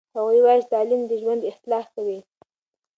هغوی وایي چې تعلیم د ژوند اصلاح کوي.